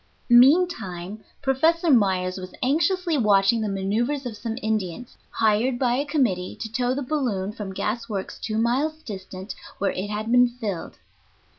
Meantime Professor Myers was anxiously watching the manoeuvers of some Indians hired by a committee to tow the balloon from gas works two miles distant, where it had been filled.